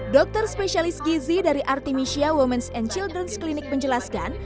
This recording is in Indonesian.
dokter spesialis gizi dari artemisia women's and children's clinic menjelaskan